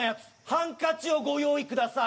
ハンカチをご用意ください。